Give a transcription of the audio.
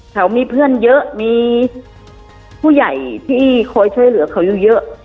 เขามีเพื่อนเยอะมีผู้ใหญ่ที่คอยช่วยเหลือเขาเยอะ